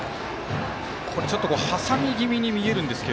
ちょっと挟み気味に見えるんですが。